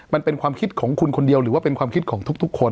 มันเป็นความคิดของคุณคนเดียวหรือว่าเป็นความคิดของทุกคน